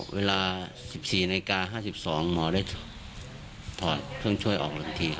เวลา๑๔๕๒หมอได้ถอดเครื่องช่วยออกอันที่